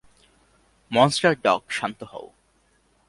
Monster dog, শান্ত হও!